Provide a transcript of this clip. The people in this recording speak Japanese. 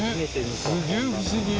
すげえ不思議。